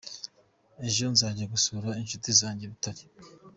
Ejo nzajya gusura inshuti yanjye I Butare.